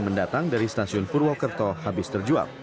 mendatang dari stasiun purwokerto habis terjual